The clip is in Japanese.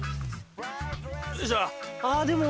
よいしょ。